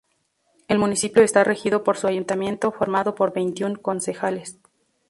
El municipio está regido por su ayuntamiento, formado por veintiún concejales.